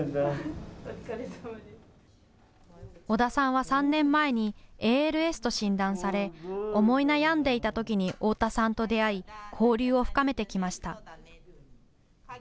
小田さんは３年前にＡＬＳと診断され思い悩んでいたときに太田さんと出会い、交流を深めてきました。